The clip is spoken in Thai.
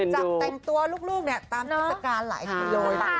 จากแต่งตัวลูกเนี้ยตามพฤติการหลายครับ